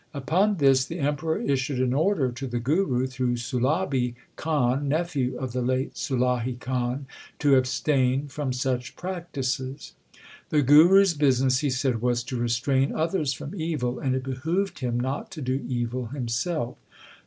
Upon this the Emperor issued an order to the Guru through Sulabi Khan, nephew of the late Sulahi Khan, to abstain from such practices. The Guru s business, he said, was to restrain others from evil, and it behoved him not to do evil himself.